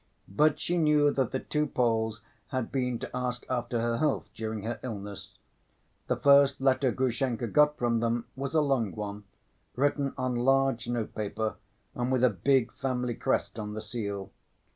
But she knew that the two Poles had been to ask after her health during her illness. The first letter Grushenka got from them was a long one, written on large notepaper and with a big family crest on the seal.